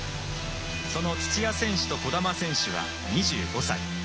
その土屋選手と児玉選手は２５歳。